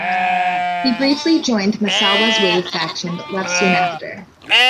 He briefly joined Misawa's "Wave" faction, but left soon after.